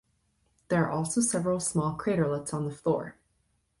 There are also several small craterlets on the floor.